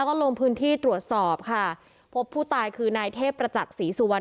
ก็ลงพื้นที่ตรวจสอบค่ะพบผู้ตายคือนายเทพประจักษีสุวรรณ